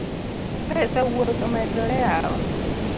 Pesa wuoth omedore yawa